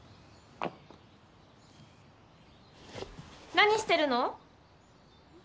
・何してるの？